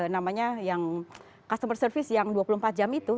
namanya yang customer service yang dua puluh empat jam itu